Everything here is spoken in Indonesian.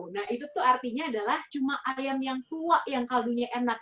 nah itu tuh artinya adalah cuma ayam yang tua yang kaldunya enak